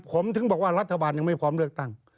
ผมถึงบอกว่ารัฐบาลยังไม่พร้อมเลือกตั้ง